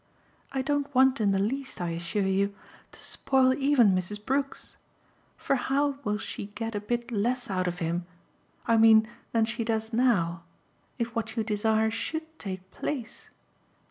I don't want in the least, I assure you, to spoil even Mrs. Brook's; for how will she get a bit less out of him I mean than she does now if what you desire SHOULD take place?